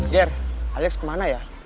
ger alex kemana ya